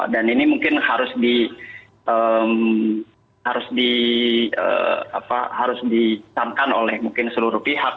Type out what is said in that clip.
dan ini mungkin harus di harus di apa harus ditamkan oleh mungkin seluruh pihak